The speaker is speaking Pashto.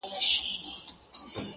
چي خبري د رڼا اوري ترهیږي -